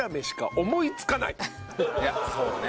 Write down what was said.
いやそうね。